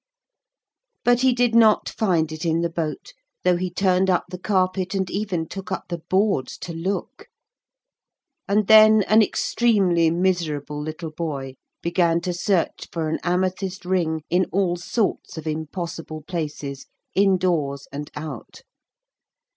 But he did not find it in the boat, though he turned up the carpet and even took up the boards to look. And then an extremely miserable little boy began to search for an amethyst ring in all sorts of impossible places, indoors and out.